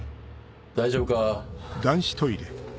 大丈夫か。